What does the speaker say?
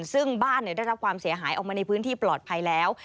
ซึ่งบ้านได้รับความเสียหายออกมาในพื้นที่ปลอดภัยแล้ว